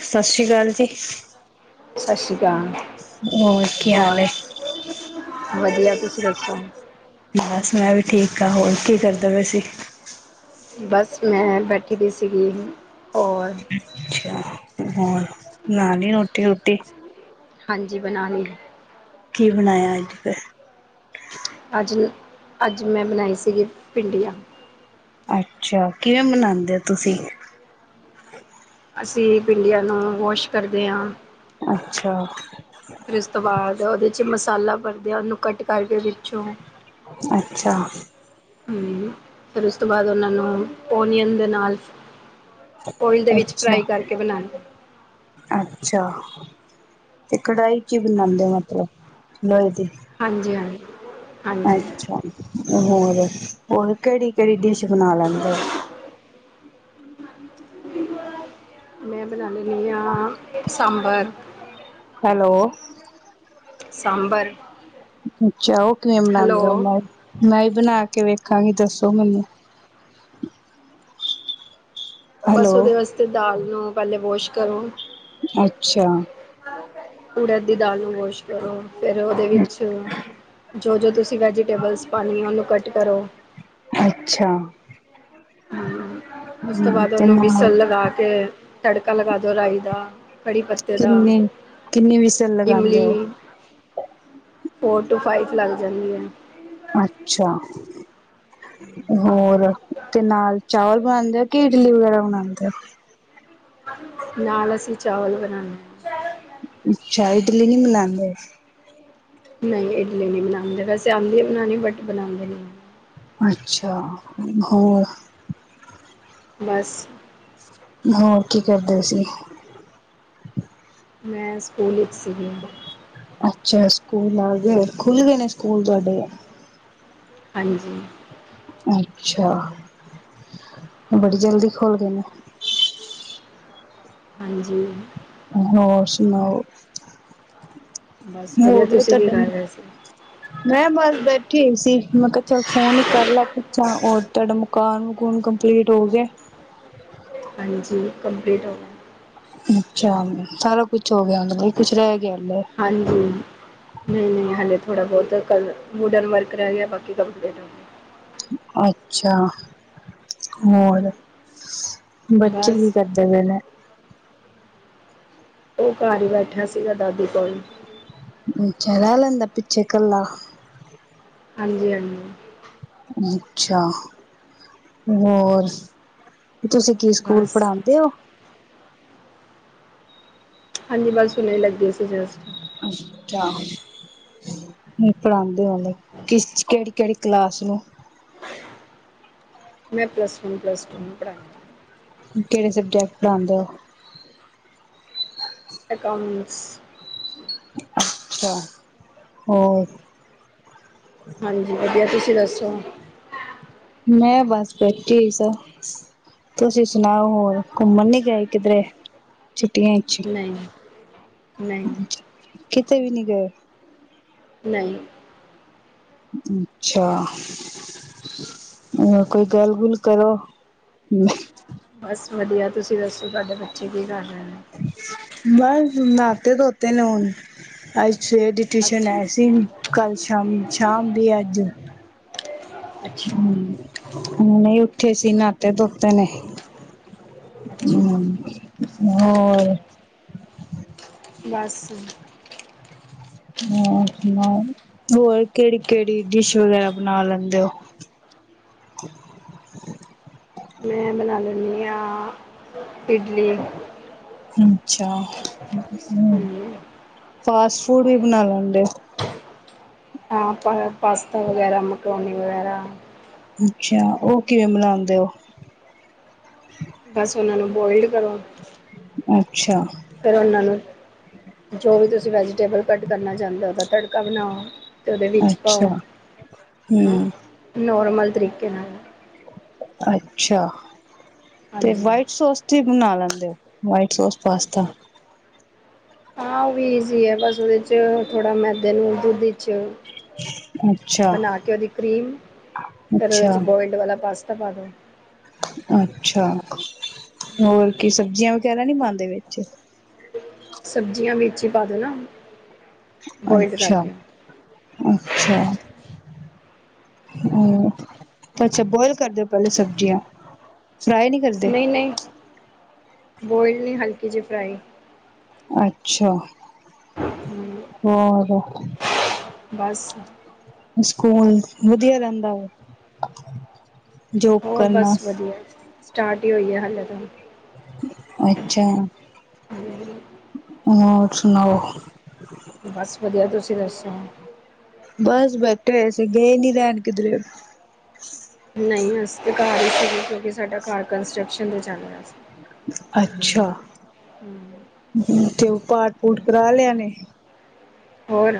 ਸਤਿ ਸ੍ਰੀ ਅਕਾਲ ਜੀ। ਸਤਿ ਸ਼੍ਰੀ ਅਕਾਲ। ਹੋਰ ਕੀ ਹਾਲ ਹੋਰ ਹੈ ਵਧੀਆ ਤੁਸੀਂ ਦੱਸੋ। ਬਸ ਮੈਂ ਵੀ ਠੀਕ ਹਾਂ ਹੋਰ ਕੀ ਕਰਦੇ ਪਏ ਸੀ। ਬਸ, ਮੈਂ ਬੈਠੀ ਸੀ, ਹੋਰ ਅੱਛਾ ਹੋਰ ਬਨਾਲੀ ਰੋਟੀ ਰੁਟੀ। ਹਾਂਜੀ, ਬਣਾਉ ਲਈ। ਕੀ ਬਣਾਇਆ ਅੱਜ ਫੇਰ। ਅੱਜ -ਅੱਜ, ਮੈਂ ਬਣਾਈ ਸੀਗੀ ਭਿੰਡੀਆਂ। ਅੱਛਾ ਕਿਵੇਂ ਮਨਾਉਂਦੇ ਹੋ, ਤੁਸੀਂ। ਅਸੀ ਭੀੜ੍ਹਿਆ ਨੂੰ ਵੋਸ਼ ਕਰਦੇ ਹਾਂ। ਅੱਛਾ। ਫਿਰ ਉਸ ਤੋਂ ਬਾਅਦ ਉਹਦੇ ਵਿਚ ਮਸਾਲਾ ਭਰਦਿਆ ਉਹਨੂੰ ਕੱਟ ਕਰਕੇ ਵਿੱਚੋਂ। ਅੱਛਾ, ਫਿਰ ਉਸ ਤੋਂ ਬਾਅਦ, ਉਹਨਾਂ ਨੂੰ ਓਨੀਅਨ ਦੇ ਨਾਲ। ਓਲ ਦੇ ਵਿੱਚ ਫਰਾਈ ਅੱਛਾ ਕਰਕੇ ਬਣਾਉਂਦੇ। ਅੱਛਾ, ਤੇ ਕੜਾਹੀ ਵਿਚ ਬਣਾਉਦੇ ਹਾਂਜੀ ਹੋ, ਮਤਲਬ ਲੋਹੇ ਦੀ। ਹਾਂਜੀ ਹਾਂਜੀ। ਹਾਂਜੀ ਅੱਛਾ, ਹੋਰ ਹੋਰ ਕਿਹੜੀ ਕਿਹੜੀ ਡਿਸ਼ ਬਣਾ ਲੈਂਦੇ ਹੋ। ਮੈਂ ਬਨਾਨੇ ਹਾਂ, ਸਾਂਬਰ। ਹੈਲੋ। ਸਾਂਬਰ। ਅੱਛਾ, ਉਹ ਕਿਵੇਂ ਬਣਾਉਂਦੇ ਹੋ ਹੈਲੋ, ਮੈਂ ਮੈਂ ਹੀ ਬਣਾ ਕੇ ਵੇਖਾਂਗੀ ਦੱਸੋ ਮੈਨੂੰ। ਬਸ ਹੈਲੋ ਉਹਦੇ ਵਾਸਤੇ ਦਾਲ ਨੂੰ ਪਹਿਲੇ ਵਾਸ਼ ਕਰੋ। ਅੱਛਾ। ਉੜਾ ਦੀ ਦਾਲ ਨੂੰ ਵਾਸ਼ ਕਰੋ ਫੇਿਰ ਉਹਦੇ ਵਿੱਚ। ਜੋ ਜੋ ਤੁਸੀਂ ਵੈਜੀਟੇਬਲਸ ਪਾਉਣੀ ਹੈਉਹਨੂੰ ਕੱਟ ਕਰੋ। ਅੱਛਾ। ਹੂੰ, ਉਸ ਤੋਂ ਹਮ ਬਾਅਦ ਤੇ ਉਹਨੂੰ ਨਾਲ ਬਿਸਣ ਲਗਾ ਕੇ ਤੜਕਾ ਲਗਾ ਦਿਉ ਰਾਈ ਦਾ। ਕੜੀ ਪੱਤੇ ਦਾ ਕਿੰਨੇ ਕਿੰਨੀ ਵਿਸਲ ਲਗਾਉਂਦੇ ਇਮਲੀ। ਹੋ ਫੋਰ ਟੂ ਫਾਈਵ ਲੱਗ ਜਾਂਦੀ ਹੈ। ਅੱਛਾ, ਹੋਰ ਤੇ ਨਾਲ ਚਾਵਲ ਬਣਦੇ। ਇਦਲੀ ਵਗੈਰਾ ਬਣਾਉਦੇ ਆ। ਨਾਲ ਅਸੀਂ ਚਾਵਲ ਬਣਾਉਦੇ ਹਾਂ। ਅੱਛਾ ਇਡਲੀ ਨੀ ਬੈੱਨੋਦੇ। ਨਹੀਂ ਇਡਲੀ ਨਹੀਂ ਬਣਾਉਂਦੇ ਵੈਸੇ ਆਉਂਦੀ ਬਣਾਉਣੀ ਬਟ ਬਣਾਉਂਦੇ ਅੱਛਾ ਹੋਰ ਬਸ ਹੋਰ ਕੀ ਕਰਦੇ ਸੀ। ਮੈਂ ਸਕੂਲ ਵਿੱਚ ਸੀਗੀ ਅੱਛਾ ਸਕੂਲ ਆ ਗਏ ਖੁੱਲ ਗਏ ਨੇ ਸਕੂਲ ਤੁਹਾਡੇ ਹਾਂਜੀ ਅੱਛਾ ਬੜੀ ਜਲਦੀ ਖੋਲ ਗਏ ਨੇ ਹਾਂਜੀ ਹੋਰ ਸੁਣਾਓ ਬਸ ਹੋ ਵਧੀਆ ਗਏ ਤੁਸੀਂ ਕੀ ਤੁਹਾਡੇ ਕਰ ਰਹੇ ਸੀ। ਮੈਂ ਬਸ ਬੈਠੀ ਹੀ ਸੀ ਮੈਂ ਕਿਹਾ ਚਲ ਫੋਨ ਹੀ ਕਰ ਲਾ ਪੁੱਛਾਂ [unintelligible] ਕਾਨੂ ਕੂਨ ਕੰਪਲੀਟ ਹੋ ਗਏ ਹਾਂਜੀ ਕੰਪਲੀਟ ਹੋ ਅੱਛਾ ਸਾਰਾ ਕੁਛ ਹੋ ਗਿਆ ਉਹ ਲਈ ਕੁਛ ਰਹਿ ਗਿਆ ਅੰਦਰ ਹਾਂਜੀ ਨਹੀਂ ਨਹੀਂ ਹਾਲੇ ਥੋੜਾ ਬਹੁਤ ਕ ਵੁਡਨ ਵਰਕ ਰਹਿ ਗਿਆ ਬਾਕੀ ਕੰਪਲੀਟ ਹੋ ਗਿਆ। ਅੱਛਾ ਹੋਰ ਬੱਚੇ ਕੀ ਬਸ ਕਰਦੇ [unintelligible] ਉਹ ਘਰ ਹੀ ਬੈਠਿਆ ਸੀਗਾ ਦਾਦੀ ਕੋਲ ਅੱਛਾ ਰਹਿ ਲੈਂਦਾ ਪਿੱਛੇ ਕੱਲਾ ਹਾਂਜੀ ਹਾਂਜੀ ਅੱਛਾ ਹੋਰ ਤੁਸੀਂ ਕੀ ਸਕੂਲ ਬਸ ਪੜਾਉਂਦੇ ਹੋ ਹਾਂਜੀ ਬਸ ਹੁਣੇ ਲੱਗਦੀ ਸੀ ਜਸਟ ਅੱਛਾ ਕੀ ਪੜ੍ਹਾਉਂਦੇ ਹੁਣੇ ਕਿਸ ਕਿਹੜੀ ਕਿਹੜੀ ਕਲਾਸ ਨੂੰ ਮੈਂ ਪਲਸ ਵਨ ਪਲਸ ਟੂ ਨੂੰ ਪੜਾਉਂਦੀ ਕਿਹੜੇ ਸਬਜੈਕਟ ਆਉਂਦੇ ਅਕਾਊਂਟਸ ਅੱਛਾ ਹੋਰ ਹਾਂਜੀ ਵਧੀਆ ਤੁਸੀਂ ਦੱਸੋ ਮੈਂ ਬਸ ਬੈਠੀ ਹੋਈ ਸਰ ਤੁਸੀਂ ਸੁਣਾਓ ਹੋਰ ਘੁੰਮਣ ਨੀ ਗਏ ਕਿਧਰੇ ਛੁੱਟੀਆਂ ਚ ਨਹੀਂ ਨਹੀਂ ਕਿਤੇੇ ਵੀ ਨੀ ਗਏ ਨਹੀਂ ਅੱਛਾ। ਹੋਰ ਕੋਈ ਗੱਲ ਗੁਲ ਕਰੋ ਬਸ ਵਧੀਆ ਤੁਸੀਂ ਦੱਸੋ ਤੁਹਾਡੇ ਬੱਚੇ ਕੀ ਕਰ ਰਹੇ ਨੇ ਬਸ ਨਹਾਤੇ ਧੋਤੇ ਨੇ ਹੁਣ ਅੱਜ ਛੇ ਟਿਊਸ਼ਨ ਹੈ ਅੱਛਾ ਸੀ ਵੀ ਕੱਲ ਸ਼ਾਮ ਸ਼ਾਮ ਵੀ ਅੱਜ ਅੱਛਾ ਹੂ ਹੁਣੇ ਉੱਠੇ ਸੀ ਨਾਤੇ ਧੋਤੇ ਨੇ ਹੂ ਅੱਛਾ ਹੋਰ ਬਸ ਹੋਰ ਸੁਣਾਓ ਹੋਰ ਕਿਹੜੀ ਕਿਹੜੀ ਡਿਸ਼ ਵਗੈਰਾ ਬਣਾ ਲੈਂਦੇ ਹੋ। [inaudible] [inaudible] ਮੈਂ ਬਣਾ ਲੈਂਦੀ ਹਾਂ ਇਡਲੀ ਅੱਛਾ ਹਾਂਜੀ ਫਾਸਟ ਫੂਡ ਵੀ ਬਣਾ ਲੈਂਦੇ ਹੋ ਹਾਂ ਪਾਸਤਾ ਵਗੈਰਾ ਮਕਰੋਨੀ ਵਗੈਰਾ ਅੱਛਾ ਉਹ ਕਿਵੇਂ ਬਨਾਉਂਦੇ ਉਹ ਬਸ ਉਹਨਾਂ ਨੂੰ ਬੋਆਇਲਡ ਕਰੋ ਅੱਛਾ ਫੇਰ ਉਹਨਾਂ ਨੂੰ ਜੋ ਵੀ ਤੁਸੀਂ ਵੈਜੀਟੇਬਲ ਕੱਟ ਕਰਨਾ ਚਾਹੁੰਦੇ ੳ ਉਹਦਾ ਤੜਕਾ ਬਨਾਓ। ਤੇ ਉਹਦੇ ਵਿੱਚ ਅੱਛਾ ਪਾਓ ਹਮ ਨੋਰਮਲ ਤਰੀਕੇ ਨਾਲ ਅੱਛਾ ਤੇ ਹਾਂਜੀ ਹਾਂ ਵਾਈਟ ਸੋਸ ਤੁਸੀਂ ਬਨਾ ਲੈਂਦੇ ੳ ਵਾਈਟ ਸੋਸ ਪਾਸਤਾ ਹਾਂ ਉਹ ਵੀ ਇਜ਼ੀ ਏ ਬਸ ਉਹਦੇ 'ਚ ਥੋੜ੍ਹਾ ਮੈਦੇ ਨੂੰ ਦੁੱਧ ਚ ਅੱਛਾ ਬਨਾ ਕੇ ਉਹਦੀ ਕਰੀਮ ਫੇਰ ਉਹਦੇ 'ਚ ਅੱਛਾ ਬੋਇਲਡ ਵਾਲਾ ਪਾਸਤਾ ਪਾ ਦੋ ਅੱਛਾ ਹੋਰ ਕੀ ਸਬਜ਼ੀਆਂ ਵਗੈਰਾ ਨਹੀਂ ਪਾਂਦੇ ਵਿੱਚ ਸਬਜ਼ੀਆਂ ਵਿਚ ਈ ਪਾ ਦੋ ਨਾ। ਬੋਇਲਡ ਅੱਛਾ ਕਰਕੇ ਅੱਛਾ। ਹੁ ਅੱਛਾ ਬੋਆਇਲ ਕਰਦੇ ਓ ਪਹਿਲੇ ਸਬਜ਼ੀਆਂ ਫਰਾਈ ਨੀ। ਨਹੀਂ ਨਹੀਂ ਬੋਇਲ ਨਹੀਂ ਹਲਕੀ ਜਿਹੀ ਫਰਾਈ। ਅੱਛਾ ਹੂੰ ਹੋਰ ਬਸ ਸਕੂਲ ਵਧੀਆ ਰਹਿੰਦਾ ਵੇ ਜੋਬ ਹੋਰ ਕਰਨਾ। ਬਸ ਵਧੀਆ ਸਟਾਰਟ ਹੀ ਹੋਈ ਏ ਹਾਲੇ ਤੇ। ਅੱਛਾ ਹਮ, ਹੋਰ ਸੁਨਾੳ। ਬਸ ਵਧੀਆ ਤੁਸੀਂ ਦੱਸੋ ਬਸ ਬੈਠੇ ਹੋਏ ਸੀ ਗਏ ਨੀ ਰਹਿਣ ਕਿਧਰੇ। ਨਹੀਂ ਅਸੀਂ ਤਾਂ ਘਰ ਹੀ ਸ਼ੁਰੂ ਕਿਉਂਕਿ ਸਾਡਾ ਘਰ ਕੰਸਟਰਕਸ਼ਨ ਤੇ ਚੱਲ ਰਿਹਾ ਸੀ। ਅੱਛਾ ਹੁ ਹੁ ਤੇ ਉਹ ਪਾਠ ਪੂਠ ਕਰਾ ਲਿਆ ਨੇ। ਹੋਰ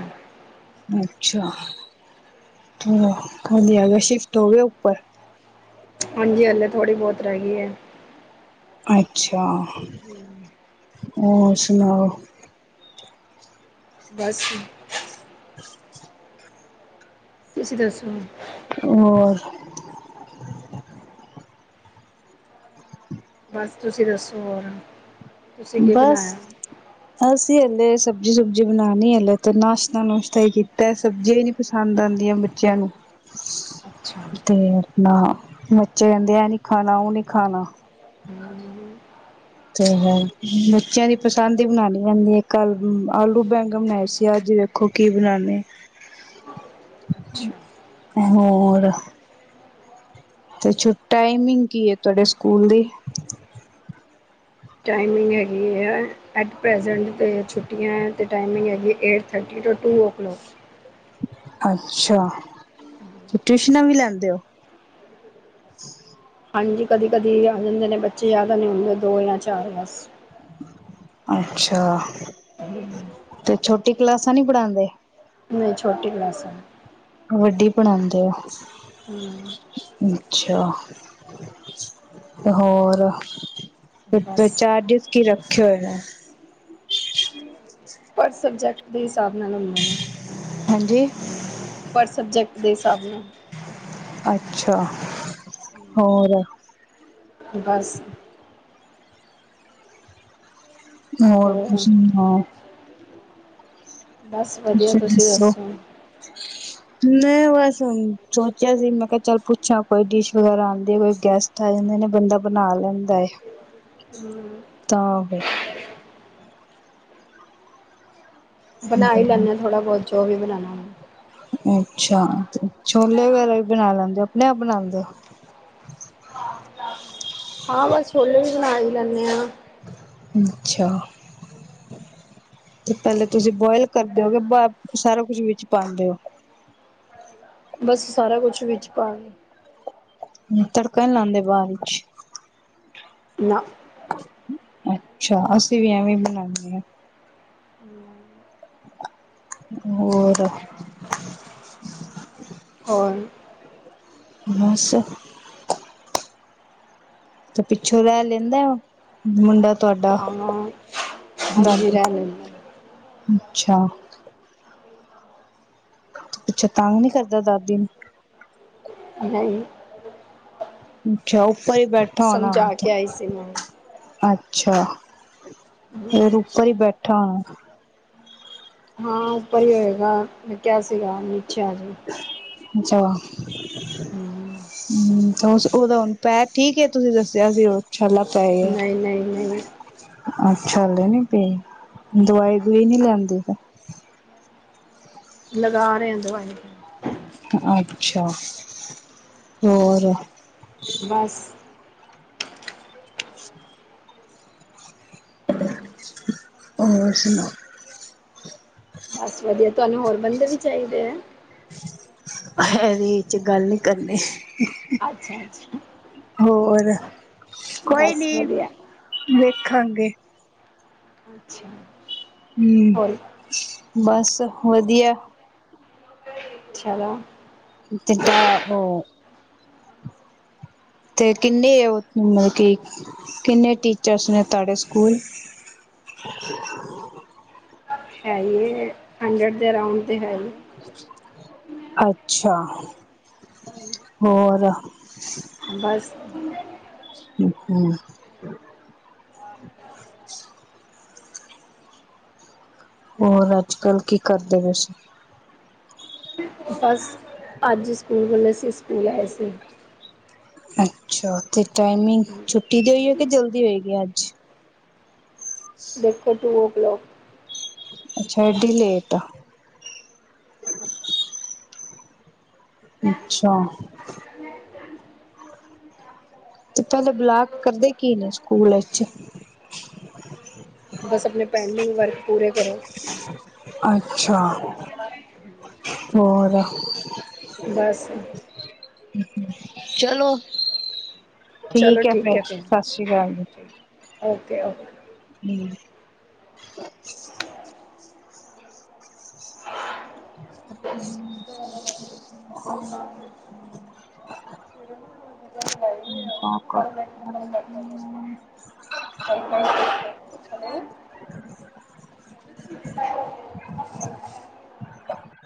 ਅੱਛਾ ਕੀ ਆ ਗਿਆ ਸ਼ਿਫਟ ਹੋਵੇ ਉੱਪਰ [unintelligible] ਹਾਂਜੀ ਹਲੇ ਥੋੜ੍ਹੀ ਬਹੁਤ ਰਹਿ ਗਈ ਏ। ਅੱਛਾ ਹੁ ਹੋਰ ਸੁਣਾਓ। ਬਸ [inaudible] ਤੁਸੀਂ ਦੱਸੋ। ਹੋਰ ਬਸ ਤੁਸੀਂ ਦੱਸੋ ਹੋਰ ਤੁਸੀਂ ਕੀ ਬਸ ਬਣਾਇਆ ਅਸੀਂ ਹਲੇ ਸਬਜ਼ੀ ਸੁਬਜੀ ਬਨਾਣੀ ਹਲੇ ਤੇ ਨਾਸ਼ਤਾ ਨੁਸ਼ਤਾ ਹੀ ਕੀਤਾ ਸਬਜ਼ੀ ਨੀ ਪਸੰਦ ਆਂਦੀਆਂ ਬੱਚਿਆਂ ਨੂੰ [inaudible] ਤੇ ਆਪਣਾ ਬੱਚੇ ਕਹਿੰਦੇ ਇਹ ਨੀ ਖਾਨਾ ਉਹ ਨੀ ਖਾਨਾ ਹਮ, ਤੇ ਬੱਚਿਆਂ ਦੀ ਪਸੰਦ ਹੀ ਬਨਾਨੀ ਪੈਂਦੀ ਏ ਕੱਲ ਆਲੂ ਬੈਂਗਨ ਬਨਾਏ ਸੀ ਅੱਜ ਦੇਖੋ ਕੀ ਬਨਾਨੇ ਆ। ਹ [unintelligible] ਹੋਰ ਤੇ ਟਾਈਮਿੰਗ ਕੀ ਏ ਤੁਹਾਡੇ ਸਕੂਲ ਦੀ ਟਾਈਮਿੰਗ ਹੈਗੀ ਏ ਐਟ ਪ੍ਰੈਜੈਂਟ ਤੇ ਛੁੱਟੀਆਂ ਤੇ ਟਾਈਮਿੰਗ ਹੈਗੀ eight thirty to two o'clock ਅੱਛਾ ਤੇ ਟਿਊਸ਼ਨਾਂ ਵੀ ਲੈਂਦੇ ੳ ਹਾਂਜੀ ਕਦੀ ਕਦੀ ਆ ਜਾਂਦੇ ਨੇ ਬੱਚੇ ਜਿਆਦਾ ਨਹੀਂ ਹੁੰਦੇ ਦੋ ਜਾਂ ਚਾਰ ਬਸ ਅੱਛਾ, ਤੇ ਛੋਟੀ ਕਲਾਸਾਂ ਨੀ ਪੜਾਂਦੇ? ਨਈ ਛੋਟੀ ਕਲਾਸ ਆ। ਬੱਡੀ ਪੜਾਂਦੇ ਓ? ਹੂੰ। ਅੱਛਾ, ਹੋਰ? ਬਸ [unintelligible] ਚਾਰਜੇਸ ਕੀ ਰੱਖੇ ਹੋਏ ਐ? ਹਰ ਸਬਜੈਕਟ ਦੇ ਹਿਸਾਬ ਨਾਲ ਹੁੰਦੈ ਨੇ। ਹਾਂਜੀ। ਪਰ ਸਬਜੈਕਟ ਦੇ ਹਿਸਾਬ ਨਾਲ। ਅੱਛਾ, ਹੋਰ? ਬਾਸ। ਹੋਰ ਕੁਛ ਨੀ, ਹਾਂ। ਤੁਸੀਂ ਦੱਸੋ? ਮੈਂ ਬਾਸ ਹੂਨ ਸੋਚੇਆ ਸੀ ਮੈਂ ਕੇਆ ਚੱਲ ਪੁੱਛਾਂ ਕੋਈ ਡਿਸ਼ ਵਗੈਰਾ ਆਂਦੀ ਹੈ ਕੋਈ ਗੈਸਟ [unintelligible] ਬੰਦਾ ਬਨਾ ਲੈਂਦਾ ਏ। [inaudible] [unintelligible] ਬਨਾ ਈ ਹਮ ਲੈਂਨੇ ਆ ਥੋੜਾ ਬੋਤ ਜੋ ਵੀ ਬਣਾਨਾ ਹੋਂਦਾ। ਅੱਛਾ, ਤੇ ਛੋਲੇ ਵਗੈਰਾ ਵੀ ਬਨਾ ਲੈਂਦੇ ਓ ਅਪਨੇ ਆਪ ਬਣਾਦੇ ਓ? ਹਾਂ ਬਸ ਛੋਲੇ ਵੀ ਬਣਾ ਈ ਲੈਂਨੇ ਆਂ। ਅੱਛਾ। ਤੇ ਪੈਲੇ ਤੁਸੀਂ ਬੋਏਲ ਕਰਦੇ ਓ ਕੇ ਬਾ, ਸਾਰਾ ਕੁਜ ਵਿੱਚ ਪਾਂਦੇ ਓ? ਬਸ ਸਾਰਾ ਕੁਛ ਵਿੱਚ ਪਾ ਕੇ। ਹੂੰ, ਤੜਕਾ ਨੀ ਲਾਂਦੇ ਬਾਦੀ ਚ? ਨਾ। ਅੱਛਾ, ਅਸੀਂ ਵੀ ਐਵੇਂ ਈ ਬਣਾਨੇ ਆ। ਹੂੰ। ਹੋਰ? ਹੋਰ? ਬਾੱਸ। ਅੱਛਾ, ਪਿੱਛੋਂ ਰੈ ਲੈਂਦਾ ਮੁੰਡਾ ਤੁਆਡਾ? ਹਾਂ ਹਾਂਜੀ ਦਾਦੀ ਰਹਿ ਕੋਲ, ਲੈਂਦਾ ਅੱਛਾ। ਪਿਛੋ ਤਾੰਗ ਨੀ ਕਰਦਾ ਦਾਦੀ ਨੂੰ? ਨਈ। ਅੱਛਾ ਉੱਪਰ ਈ ਬੈਠਾ ਹੋਣਾ ਸਮਝਾ ਕੇ ਆਈ ਸੀ ਮੈਂ ਅੱਛਾ, ਫੇਰ ਉਪਰ ਈ ਬੈਠਾ ਹੋਣਾ? ਹਾਂ, ਉੱਪਰ ਈ ਹੋਏਗਾ ਮੈਂ ਕੇਆ ਸੀਗਾ ਨੀਚੇ ਆ ਜਾਈ। ਅੱਛਾ। ਹੂੰ, ਓਦਾ ਹੁਨ ਪੈਰ ਠੀਕ ਏ? ਤੁਸੀ ਦੱਸੇਆ ਸੀ ਓ ਛਾਲਾ ਪੈ ਗੇਆ। ਨਈ-ਨਈ। ਆ ਛਾਲੇ ਨੀ ਪਏ, ਦਵਾਈ-ਦੂਵਈ ਨੀ ਲੈਂਦੀ? ਲਗਾ ਰੇ ਆ ਦਵਾਈ। ਅੱਛਾ, ਹੋਰ? ਬੱਸ। ਹੋਰ ਸੁਨਾਓ। ਬਸ ਵਦੀਆ, ਤੁਆਨੂੰ ਹੋਰ ਬੰਦੇ ਵੀ ਚਾਈਦੇ ਆ? ਐਦੇ ਵਿੱਚ ਗੱਲ ਨੀ ਕਰਨੀ। ਅੱਛਾ-ਅੱਛਾ। ਹੋਰ, ਕੋਈ ਬਸ ਨੀ ਵਧੀਆ ਵੇਖਾਂਗੇ। ਅੱਛਾ। ਹੂੰ ਹੋਰ ਬਸ ਵਧੀਆ। ਚਲੈ। ਜਿਦਾ ਉਹ ਤੇ ਕਿੰਨੇ ਉਹ ਮਤਲਬ ਕਿ, ਕਿੰਨੇ ਟੀਚਰਸ ਨੇ ਤੁਹਾਡੇ ਸਕੂਲ? [inaudible] ਹੈਗੇ ਨੇ, ਹੰਡਰਡ ਦੇ ਅਰਾਂਓਡ ਤੇ ਹੈ ਹੀ। ਅੱਛਾ ਹੋਰ। ਬਸ ਅੱਛਾ ਹੋਰ ਅੱਜ ਕੱਲ ਕੀ ਕਰਦੇ ਪੀਸੀ? ਬਸ ਅੱਜ ਸਕੂਲ ਖੁੱਲੇ ਸੀ, ਸਕੂਲ ਆਏ ਸੀ। ਅੱਛਾ। ਤੇ ਟਾਈਮਿੰਗ ਛੁੱਟੀ ਦੀ ਹੈ। ਕਿ ਜਲਦੀ ਹੋਏਗੀ ਅੱਜ? ਦੇਖੋ ਟੂ ਓ ਕਲੋਕ। ਅੱਛਾ ਐਡੀ ਲੇਟ। ਅੱਛਾ। ਤੇ ਪਹਿਲੇ ਬਲਾਕ ਕਰਦੇ ਕੀ ਨੇ ਸਕੂਲ ਵਿਚ? ਬਸ ਆਪਣੇ ਪੈਂਡਿੰਗ ਵਰਕ ਪੂਰੇ ਕਰੋ। ਅੱਛਾ ਹੋਰ? ਬਸ। ਚਲੋ ਠੀਕ ਹੈ ਫੇਰ, ਸਤਿ ਸ੍ਰੀ ਅਕਾਲ ਜੀ। Okay okay. ਹੂੰ [inaudible] [unintelligible] [unintelligible]